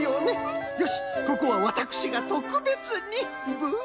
よしここはわたくしがとくべつにぶん。